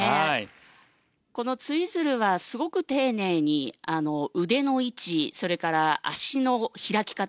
このツイズルはすごく丁寧に腕の位置、足の開き方